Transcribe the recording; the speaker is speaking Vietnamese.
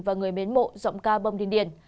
và người mến mộ giọng ca bông điên điển